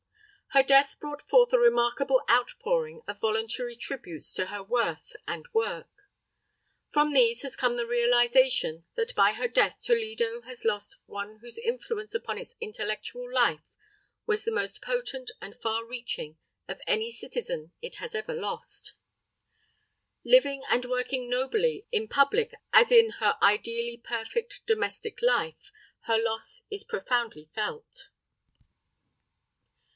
Her death brought forth a remarkable outpouring of voluntary tributes to her worth and work. From these has come the realization that by her death Toledo has lost one whose influence upon its intellectual life was the most potent and far reaching of any citizen it has ever lost. Living and working nobly in public as in her ideally perfect domestic life, her loss is profoundly felt.